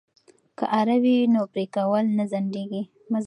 که اره وي نو پرې کول نه ځنډیږي.